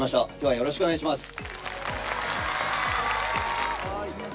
よろしくお願いします。